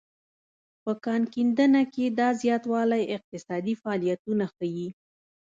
په کان کیندنه کې دا زیاتوالی اقتصادي فعالیتونه ښيي.